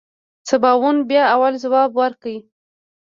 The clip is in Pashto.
سباوون بيا اول ځواب ورکړ.